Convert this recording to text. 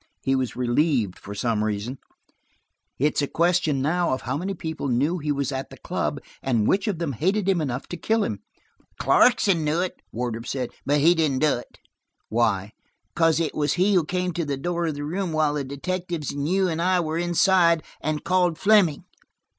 He was relieved, for some reason. "It's a question now of how many people knew he was at the club, and which of them hated him enough to kill him." "Clarkson knew it," Wardrop said, "but he didn't do it." "Why?" "Because it was he who came to the door of the room while the detectives and you and I were inside, and called Fleming."